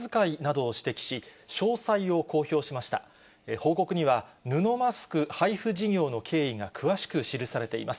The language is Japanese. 報告には、布マスク配布事業の経緯が詳しく記されています。